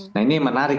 nah ini menarik